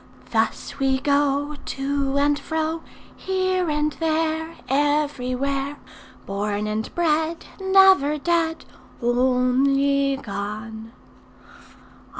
Thus we go, To and fro; Here and there, Everywhere, Born and bred; Never dead, Only gone.